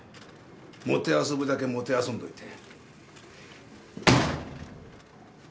もてあそぶだけもてあそんどいて。